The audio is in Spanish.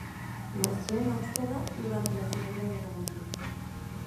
Nació en Amsterdam, durante la Segunda Guerra Mundial.